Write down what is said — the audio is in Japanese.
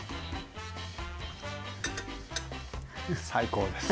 最高です。